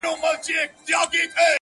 ته به پر ګرځې د وطن هره کوڅه به ستاوي،